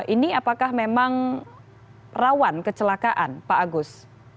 ini apakah memang rawan kecelakaan pak agus